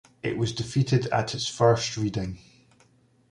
It was defeated at its first reading.